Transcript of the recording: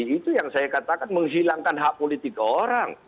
itu yang saya katakan menghilangkan hak politik orang